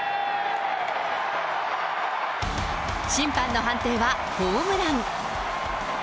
審判の判定はホームラン。